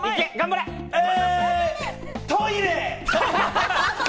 トイレ！